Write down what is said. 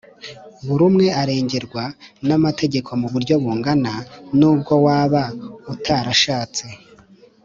buri umwe arengerwa n’amategeko mu buryo bungana, n’ubwo waba utarashatse.